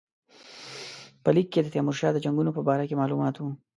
په لیک کې د تیمورشاه د جنګونو په باره کې معلومات وو.